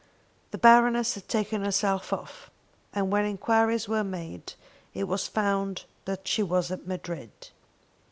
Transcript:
The Baroness had taken herself off, and when enquiries were made it was found that she was at Madrid.